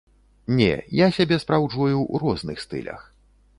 Не, я сябе спраўджваю ў розных стылях.